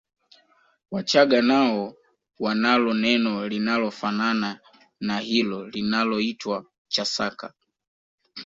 Wachaga nao wanalo neno linalofanana na hilo linaloitwa Chasaka